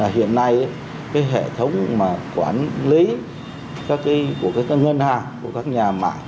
hiện nay hệ thống quản lý của các ngân hàng các nhà mạng